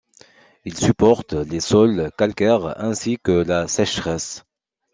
Il supporte les sols calcaires, ainsi que la sécheresse.